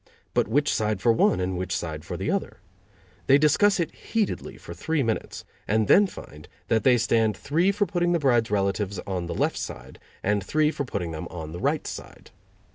But which side for one and which for the other? They discuss it heatedly for three minutes and then find that they stand three for putting the bride's relatives on the left side and three for putting them on the right side.